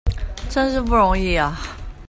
真是不容易啊！